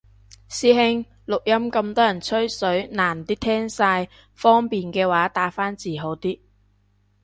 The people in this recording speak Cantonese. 師兄，錄音咁多人吹水難啲聽晒，方便嘅話打返字好啲